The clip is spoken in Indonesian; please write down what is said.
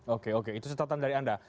oke oke itu catatan dari anda